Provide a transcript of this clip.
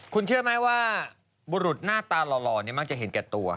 คุณเชื่อไหมว่าบุรุษหน้าตาหล่อมักจะเห็นแก่ตัว